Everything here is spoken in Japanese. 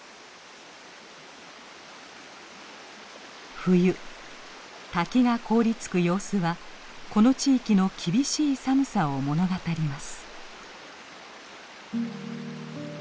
冬滝が凍りつく様子はこの地域の厳しい寒さを物語ります。